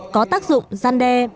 có tác dụng gian đe